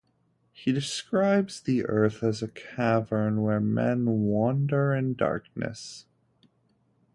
He describes the earth as a cavern where men wander in darkness.